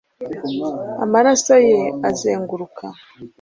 Amaraso ye azenguruka